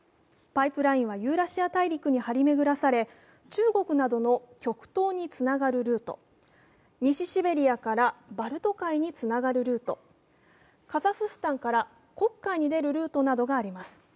パイプラインはユーラシア大陸に張り巡らされ、中国などの極東につながるルート、西シベリアからバルト海につながるルート、カザフスタンから黒海に出るルートなどがあります。